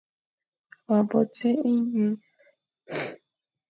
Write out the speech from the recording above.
Wa bo dzé ening.